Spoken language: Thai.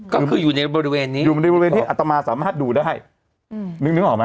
ก็คืออยู่ในบริเวณนี้อยู่ในบริเวณที่อัตมาสามารถดูได้นึกออกไหม